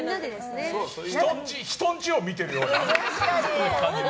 人んちを見てるようなね。